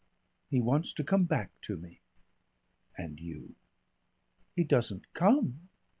He wants to come back to me." "And you " "He doesn't come."